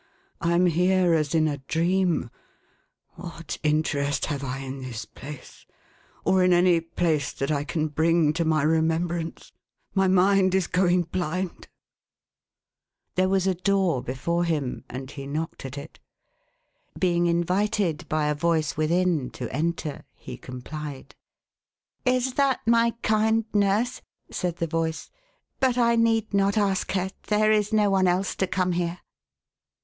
I am here, as in a dream. What interest have I in this place, or in any place that I can bring to my remembrance ? My mind is going blind !" There was a door before him, and he knocked at it. Being invited, by a voice within, to enter, he complied. '" Is that my kind nurse ?" said the voice. " But I need not ask her. There is no one else to come here."